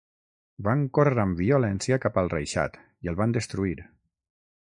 Van córrer amb violència cap al reixat i el van destruir.